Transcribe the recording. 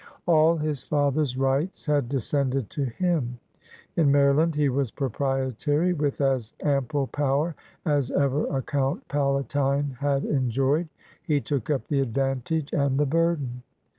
AU his father's rights had descended to him; in Mary land he was Proprietary with as ample power as ever a Count Palatine had enjoyed. He took up the advantage and the burden.